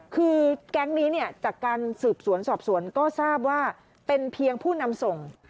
คือแก๊งนี้เนี่ยจากการสืบสวนสอบสวนก็ทราบว่าเป็นเพียงผู้นำส่ง